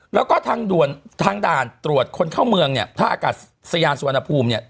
แล้วก็ทางด่วนทางด่านตรวจคนเข้าเมืองเนี่ยท่าอากาศยานสุวรรณภูมิเนี่ย